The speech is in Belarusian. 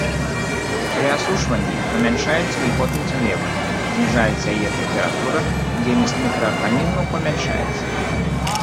Пры асушванні памяншаецца вільготнасць глебы, зніжаецца яе тэмпература, дзейнасць мікраарганізмаў памяншаецца.